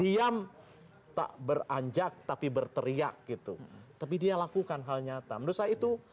diam tak beranjak tapi berteriak gitu tapi dia lakukan hal nyata menurut saya itu